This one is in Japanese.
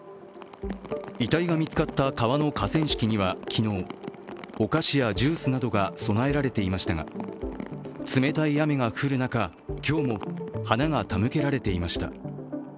遺体が見つかった川の河川敷には昨日、お菓子やジュースなどが供えられていましたが冷たい雨が降る中、今日も花が手向けられていました。